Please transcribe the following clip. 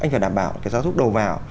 là đảm bảo giáo thuốc đồ vào